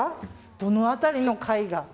どの辺りの階が？